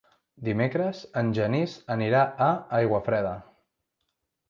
Dimecres en Genís anirà a Aiguafreda.